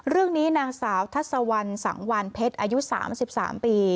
เรื่องนี้นางสาวทัศวรรณสังวานเพชรอายุ๓๓ปี